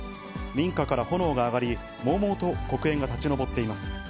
民家から炎が上がり、もうもうと黒煙が立ち上っています。